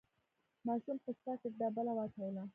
ماشوم په څاه کې ډبله واچوله.